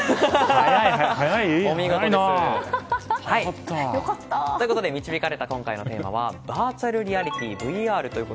お見事です。ということで導かれた今回のテーマはバーチャルリアリティー・ＶＲ。